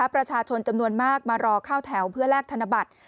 ประชาชนจำนวนมากมารอเข้าแถวเพื่อแลกธนบัตร